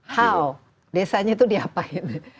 how desanya itu diapain